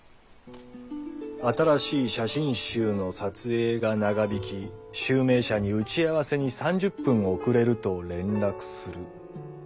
「新しい写真集の撮影が長引き集明社に打ち合わせに３０分遅れると連絡する」。